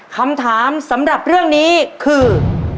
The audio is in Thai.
คำถามสำหรับเรื่องนี้คือ